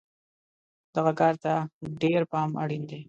دغه کار ته ډېر پام اړین دی.